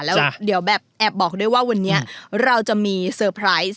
แล้วเดี๋ยวแบบแอบบอกด้วยว่าวันนี้เราจะมีเซอร์ไพรส์